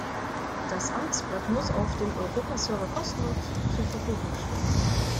Das Amtsblatt muss auf dem Europa-Server kostenlos zur Verfügung stehen.